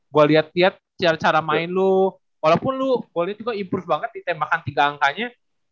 gua liat liat cara cara main lu walaupun lu gue liat juga improve banget di tembakan tiga angkanya